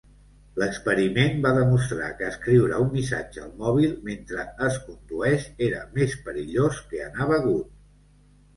L"experiment va demostrar que escriure un missatge al mòbil mentre es condueix era més perillós que anar begut.